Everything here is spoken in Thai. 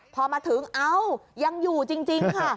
พอมาถึงเอ้ายังอยู่จริงค่ะ